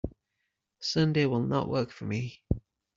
Sunday will not work for me.